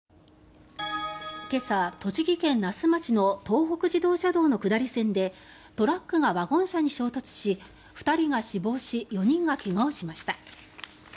今朝、栃木県那須町の東北自動車道の下り線でトラックがワゴン車に衝突し２人が死亡し４人が怪我をしました。